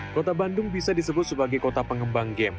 kota bandung bisa disebut sebagai kota pengembang game